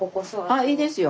あいいですよ。